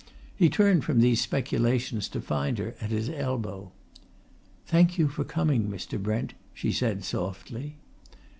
He turned from these speculations to find her at his elbow. "Thank you for coming, Mr. Brent," she said softly.